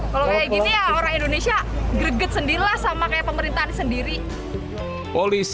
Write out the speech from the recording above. kalau kayak gini ya orang indonesia greget sendiri lah sama kayak pemerintahan sendiri